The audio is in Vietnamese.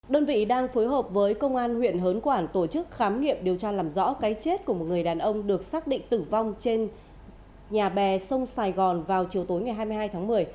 đơn vị đang phối hợp với công an huyện hớn quản tổ chức khám nghiệm điều tra làm rõ cái chết của một người đàn ông được xác định tử vong trên nhà bè sông sài gòn vào chiều tối ngày hai mươi hai tháng một mươi